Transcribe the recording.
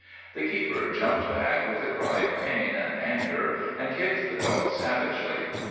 The keeper jumped back with a cry of pain and anger and kicked the dog savagely.